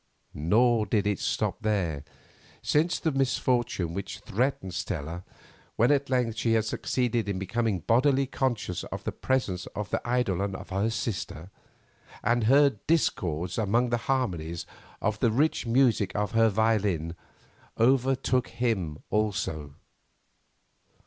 Nor did it stop there, since the misfortune which threatened Stella when at length she had succeeded in becoming bodily conscious of the presence of the eidolon of her sister, and "heard discords among the harmonies" of the rich music of her violin, overtook him also.